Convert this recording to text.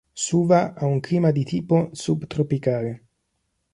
Suva ha un clima di tipo subtropicale.